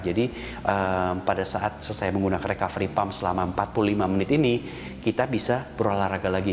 jadi pada saat saya menggunakan recovery pump selama empat puluh lima menit ini kita bisa berolahraga lagi